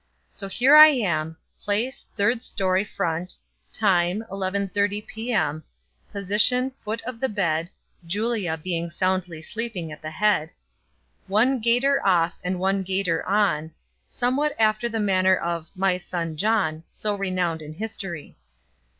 So here I am place, third story front; time, 11:30 P.M.; position, foot of the bed (Julia being soundly sleeping at the head), one gaiter off and one gaiter on, somewhat after the manner of 'my son John' so renowned in history.